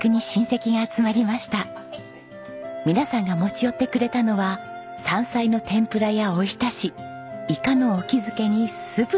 皆さんが持ち寄ってくれたのは山菜の天ぷらやおひたしイカの沖漬けに酢豚です。